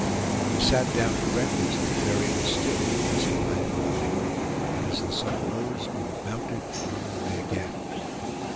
When we sat down to breakfast the prairie was still in the dusky light of morning; and as the sun rose we were mounted and on our way again.